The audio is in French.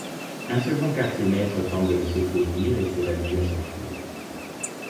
Un second quartier-maître tente de le secourir et s'évanouit à son tour.